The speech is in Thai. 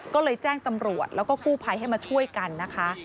ก็เลยแจ้งตำรวจแล้วก็กู้ภัยให้มาช่วยกันนะคะ